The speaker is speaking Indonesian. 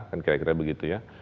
kan kira kira begitu ya